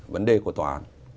vấn đề của tòa án